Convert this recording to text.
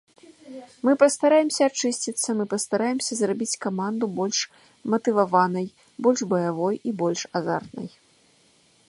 Мы пастараемся ачысціцца, мы пастараемся зрабіць каманду больш матываванай, больш баявой і больш азартнай.